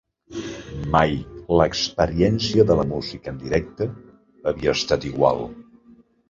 Mai l’experiència de la música en directe havia estat igual.